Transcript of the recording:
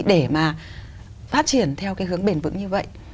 để mà phát triển theo cái hướng bền vững như vậy